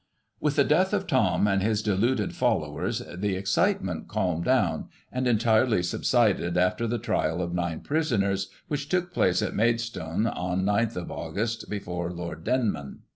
With the death of Thom and his deluded followers, the excitement calmed down, and entirely subsided after the trial of nine prisoners, which took place at Maidstone, on the 9th of August, before Lord Denman.